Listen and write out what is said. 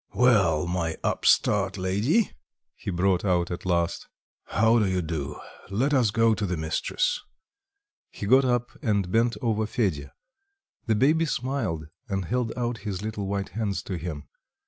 "Well, my upstart lady," he brought out at last, "how do you do? let us go to the mistress." He got up and bent over Fedya: the baby smiled and held out his little white hands to him.